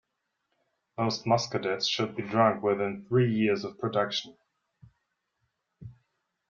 Most Muscadets should be drunk within three years of production.